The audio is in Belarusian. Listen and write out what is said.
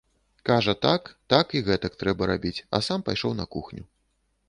Кажа, так, так і гэтак трэба рабіць, а сам пайшоў на кухню.